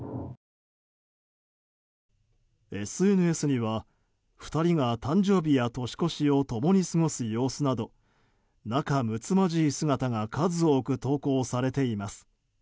ＳＮＳには２人が誕生日や年越しを共に過ごす様子など仲睦まじい姿が数多く投稿されています。